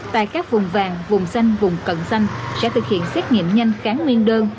tại các vùng vàng vùng xanh vùng cận xanh sẽ thực hiện xét nghiệm nhanh kháng nguyên đơn